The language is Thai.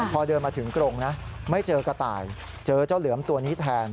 พอเดินมาถึงกรงนะไม่เจอกระต่ายเจอเจ้าเหลือมตัวนี้แทน